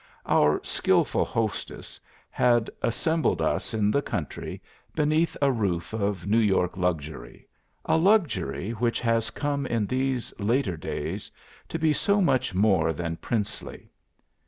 Our skilful hostess had assembled us in the country, beneath a roof of New York luxury, a luxury which has come in these later days to be so much more than princely.